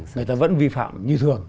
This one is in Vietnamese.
người ta vẫn vi phạm như thường